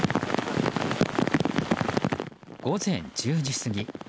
午前１０時過ぎ。